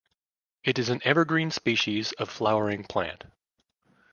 It is an evergreen species of flowering plant.